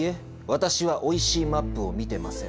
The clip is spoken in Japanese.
私は「おいしいマップ」を見てません。